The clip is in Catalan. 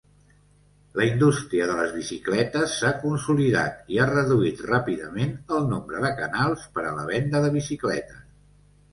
La indústria de les bicicletes s'ha consolidat i ha reduït ràpidament el nombre de canals per a la venda de bicicletes.